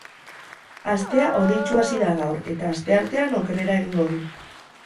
Astea hodeitsu hasi da gaur, eta astertean okerrera egingo du.